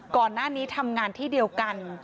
ก่อนหน้านี้ทำงานที่เดียวกัน